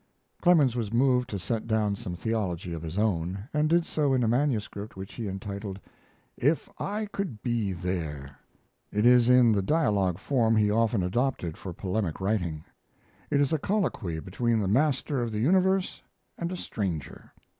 Clemens was moved to set down some theology of his own, and did so in a manuscript which he entitled, "If I Could Be There." It is in the dialogue form he often adopted for polemic writing. It is a colloquy between the Master of the Universe and a Stranger.